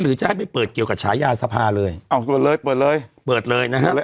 จะให้ไปเปิดเกี่ยวกับฉายาสภาเลยเอ้าเปิดเลยเปิดเลยเปิดเลยนะฮะ